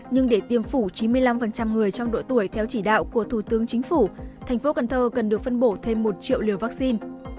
nhưng để tiêm phủ chín mươi năm người trong đội tuổi theo chỉ đạo của thủ tướng chính phủ tp cn cần được phân bổ thêm một triệu liều vaccine